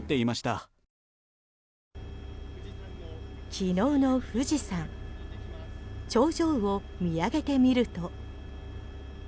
昨日の富士山頂上を見上げてみると。